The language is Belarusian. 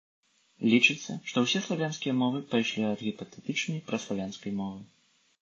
Лічыцца, што ўсе славянскія мовы пайшлі ад гіпатэтычнай праславянскай мовы.